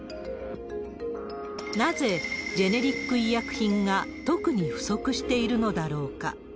なぜジェネリック医薬品が特に不足しているのだろうか。